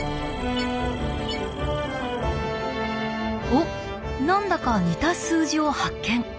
おっ何だか似た数字を発見。